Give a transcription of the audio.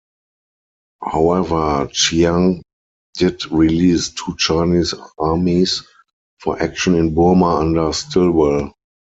However, Chiang did release two Chinese armies for action in Burma under Stilwell.